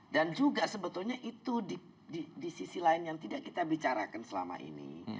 dan juga sebetulnya itu di sisi lain yang tidak kita bicarakan selama ini